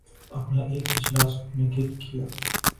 اپنا ایک اجلاس منعقد کیا